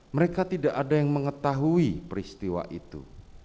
mereka tidak ada yang mengetahui peristiwa itu